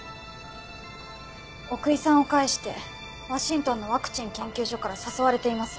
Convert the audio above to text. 奥居さんを介してワシントンのワクチン研究所から誘われています。